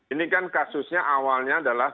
ini kan kasusnya awalnya adalah